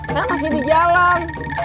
saya masih di jalan